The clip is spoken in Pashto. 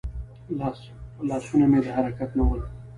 لاسونه مې د حرکت نه ول.